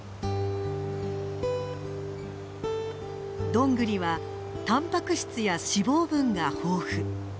ドングリはたんぱく質や脂肪分が豊富。